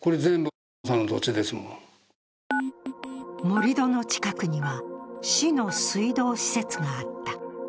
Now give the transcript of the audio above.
盛り土の近くには市の水道施設があった。